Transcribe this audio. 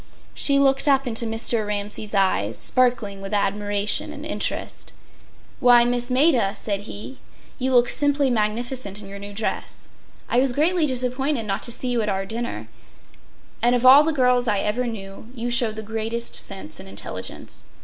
She looked up into Mr. Ramsay’s eyes, sparkling with admiration and interest. “Why, Miss Maida,” said he, “you look simply magnificent in your new dress. I was greatly disappointed not to see you at our dinner. And of all the girls I ever knew, you show the greatest sense and intelligence.